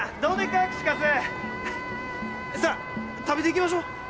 食べていきましょう！